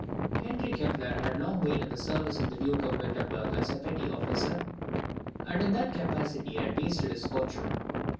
Henry Kepler had been long in the service of the Duke of Wirtemberg as a petty officer, and in that capacity had wasted his fortune.